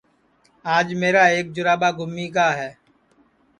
آج میرا ایک جُراٻا گُمی گا ہے